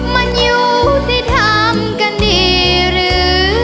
มันอยู่ที่ทำกันดีหรือ